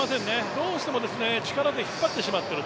どうしても力で引っ張ってしまっている。